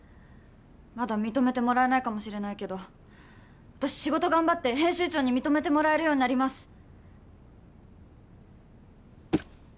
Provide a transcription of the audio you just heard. まだ認めてもらえないかもしれないけど私仕事頑張って編集長に認めてもらえるようになります